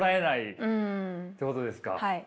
はい。